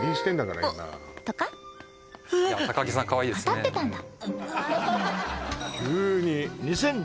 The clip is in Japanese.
当たってたんだ